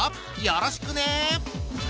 よろしくね！